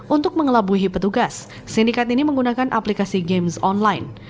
untuk mengelabuhi petugas sindikat ini menggunakan aplikasi games online